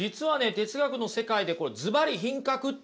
哲学の世界でこれずばり品格っていうね